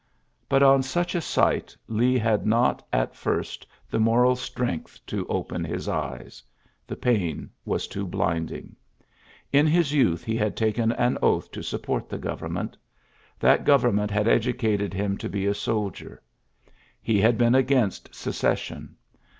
But on such a sight Lee had not at first the moral strength to open his eyes. The pain was too blind ing. Li his youth he had taken an oath to support the government. That gov ernment had educated him to be a sol dier. He had been against Secession.